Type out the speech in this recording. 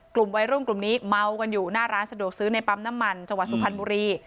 กลุ่มวัยรุ่นกลุ่มนี้เมากันอยู่หน้าร้านสะดวกซื้อในปั๊มน้ำมันจังหวัดสุพรรณบุรี